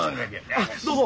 あっどうぞ。